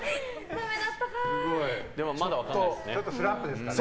でもまだ分からないですね。